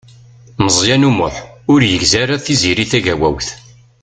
Meẓyan U Muḥ ur yegzi ara Tiziri Tagawawt.